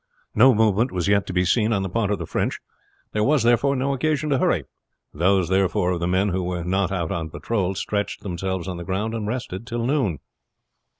No movement was yet to be seen on the part of the French; there was, therefore, no occasion to hurry. Those, therefore, of the men who were not out on patrol stretched themselves on the ground and rested till noon.